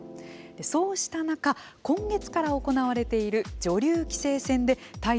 そうした中今月から行われている女流棋聖戦でタイトルを争う